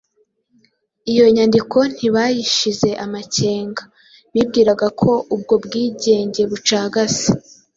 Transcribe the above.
iyo nyandiko ntibayishize amakenga: bibwiraga ko ubwo bwigenge bucagase